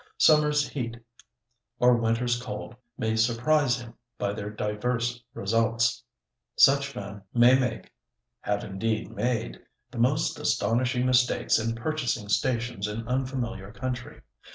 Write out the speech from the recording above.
Summer's heat or winter's cold may surprise him by their diverse results. Such men may make—have indeed made—the most astonishing mistakes in purchasing stations in unfamiliar country.